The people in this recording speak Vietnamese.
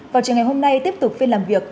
vào trường ngày hôm nay tiếp tục phiên làm việc